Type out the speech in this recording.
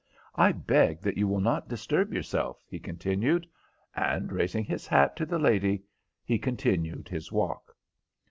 "I beg that you will not disturb yourself," he continued; and, raising his hat to the lady, he continued his walk.